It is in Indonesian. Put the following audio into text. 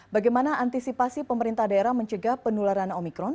bagaimana antisipasi pemerintah daerah mencegah penularan omikron